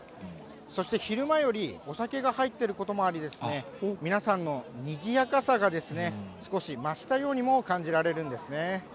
そして昼間よりお酒が入っていることもあり、皆さんのにぎやかさが少し増したようにも感じられるんですね。